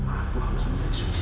aku harus menjadi suci